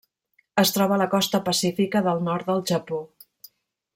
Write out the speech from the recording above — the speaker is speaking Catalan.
Es troba a la costa pacífica del nord del Japó.